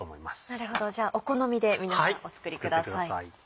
なるほどじゃあお好みで皆さんお作りください。